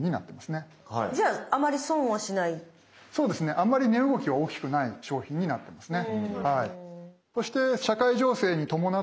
あまり値動きが大きくない商品になってますね。